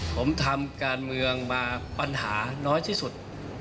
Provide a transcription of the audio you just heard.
ผมทำการเมืองมาปัญหาน้อยที่สุด